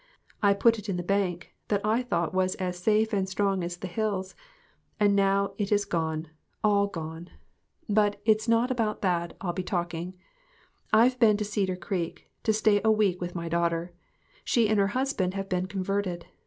I put it in the bank, that I thought was as safe and strong as the hills. And now it is gone all gone! But it's not GOOD BREAD AND GOOD MEETINGS. 35 about that I'll be talking. I've been to Cedar Creek to stay a week with my daughter. She and her husband have been converted.